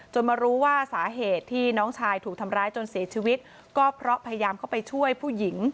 มารู้ว่าสาเหตุที่น้องชายถูกทำร้ายจนเสียชีวิตก็เพราะพยายามเข้าไปช่วยผู้หญิง